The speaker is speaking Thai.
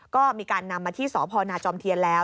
ก็มีการนำมาที่สพนาจอมเทียนแล้ว